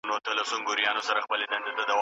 د کمزورې ارادې خاوندان نه سي کولای نظام وساتي.